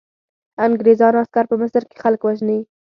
انګریزانو عسکر په مصر کې خلک وژني.